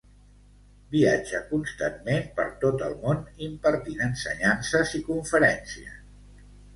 Viatja constantment per tot el món impartint ensenyances i conferències.